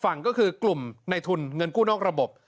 ฝั่งก็คือกลุ่มในทุนเงินกู้นอกระบบ